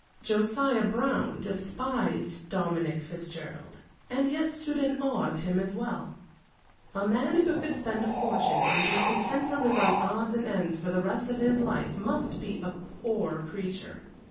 Josiah Brown despised Dominic Fitzgerald, and yet stood in awe of him as well. A man who could spend a fortune and be content to live on odds and ends for the rest of his life must be a poor creature.